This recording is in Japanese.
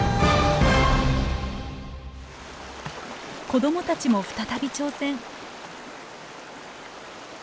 子どもたちも再び挑戦。